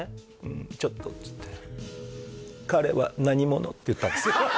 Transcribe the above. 「んちょっと」っつってって言ったんですよ